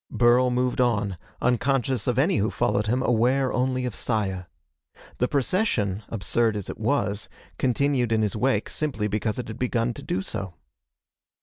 Burl moved on, unconscious of any who followed him, aware only of Saya. The procession, absurd as it was, continued in his wake simply because it had begun to do so.